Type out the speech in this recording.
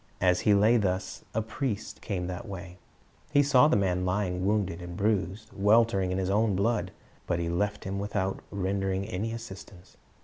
As he lay thus, a priest came that way; he saw the man lying wounded and bruised, weltering in his own blood; but he left him without rendering any assistance.